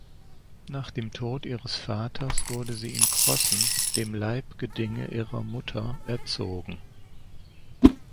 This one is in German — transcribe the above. Nach dem Tod ihres Vaters wurde sie in Crossen, dem Leibgedinge ihrer Mutter, erzogen.